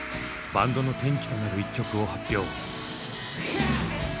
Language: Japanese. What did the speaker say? バンドの転機となる１曲を発表。